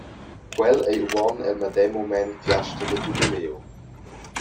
Quel ei uonn el medem mument fiasta da giubileum.